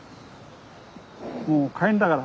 もう帰んだから。